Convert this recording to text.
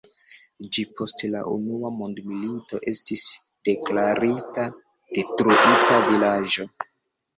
Ĝi post la Unua mondmilito estis deklarita "detruita vilaĝo".